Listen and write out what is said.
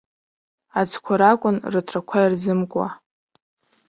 Аӡқәа ракәын, рыҭрақәа ирзымкуа.